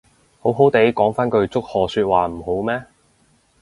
好好哋講返句祝賀說話唔好咩